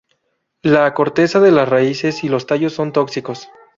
La corteza de las raíces y los tallos son tóxicos.